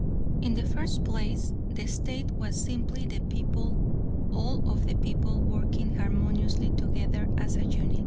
"In the first place, the State was simply the people all of the people working harmoniously together as a unit.